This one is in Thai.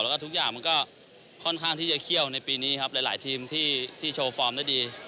แล้วก็ทุกอย่างมันก็ค่อนข้างที่จะเคี่ยวในปีนี้ครับหลายทีมที่โชว์ฟอร์มได้ดี